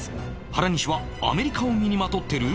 原西はアメリカを身にまとってる？